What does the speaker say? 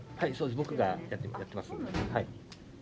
僕がやってます。